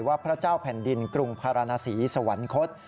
พระเจ้าแผ่นดินกรุงภารณศรีสวรรคต